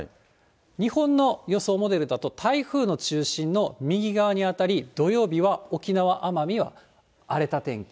日本の予想モデルだと、台風の中心の右側に当たり、土曜日は沖縄・奄美は荒れた天気。